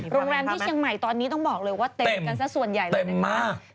โรงแรมที่เชียงใหม่ตอนนี้ต้องบอกเลยว่าเต็มกันซะส่วนใหญ่เลยนะคะ